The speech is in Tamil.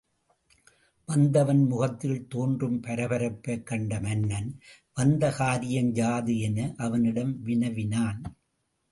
வந்தவன் முகத்தில் தோன்றும் பரபரப்பைக் கண்ட மன்னன் வந்த காரியம் யாது? என அவனிடம் வினவினான்.